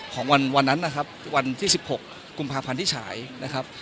ของวันนั้นนะครับวันที่๑๖กุมภาพันธ์ที่ฉายนะครับ